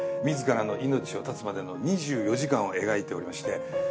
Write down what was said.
自らの命を絶つまでの２４時間を描いておりまして。